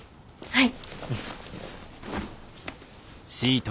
はい。